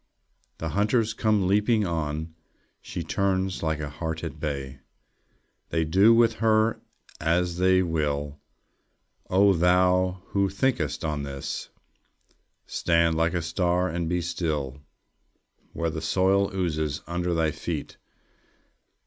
The hunters come leaping on. She turns like a heart at bay. They do with her as they will. ... O thou who thinkest on this! Stand like a star, and be still, Where the soil oozes under thy feet.